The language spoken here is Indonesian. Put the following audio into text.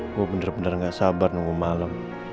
gue bener bener gak sabar nunggu malam